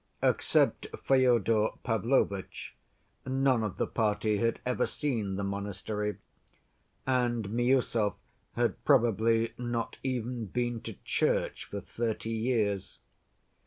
Except Fyodor Pavlovitch, none of the party had ever seen the monastery, and Miüsov had probably not even been to church for thirty years.